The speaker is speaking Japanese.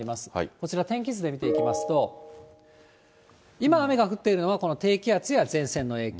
こちら天気図で見ていきますと、今、雨が降っているのは、この低気圧や前線の影響。